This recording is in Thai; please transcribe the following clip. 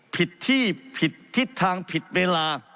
ผิดที่ผิดทิศทางผิดเวลา